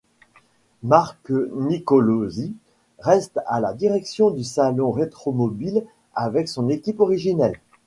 Marc Nicolosi reste à la direction du salon Rétromobile avec son équipe originelle.